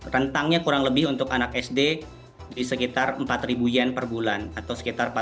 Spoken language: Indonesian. rentangnya kurang lebih untuk anak sd di sekitar empat yen per bulan atau sekitar empat ratus lima puluh rupiah